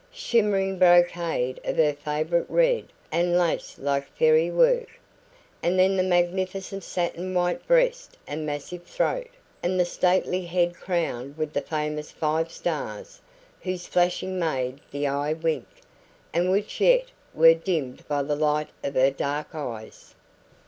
Shimmering brocade of her favourite red, and lace like fairy work; and then that magnificent satin white breast and massive throat, and the stately head crowned with the famous five stars, whose flashing made the eye wink, and which yet were dimmed by the light of her dark eyes.